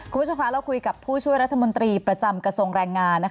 คุณผู้ชมคะเราคุยกับผู้ช่วยรัฐมนตรีประจำกระทรวงแรงงาน